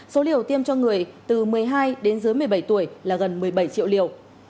số liều tiêm cho người từ một mươi hai đến dưới một mươi bảy tuổi là gần một mươi bảy triệu liều